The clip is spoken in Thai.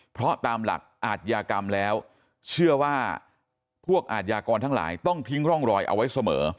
เพราะตามหลักอาทยากรรมแล้วเชื่อว่าพวกอาทยากรทั้งหลายต้องทิ้งร่องรอยเอาไว้เสมอ